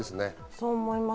そう思います。